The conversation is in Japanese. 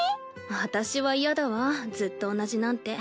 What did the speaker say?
私は嫌だわずっと同じなんて。